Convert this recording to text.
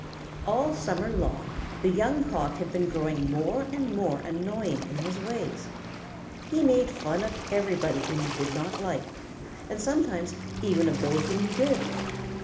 All summer the Young Cock had been growing more and more annoying in his ways. He made fun of everybody whom he did not like, and sometimes even of those whom he did.